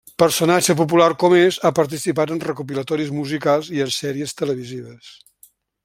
Personatge popular com és, ha participat en recopilatoris musicals i en sèries televisives.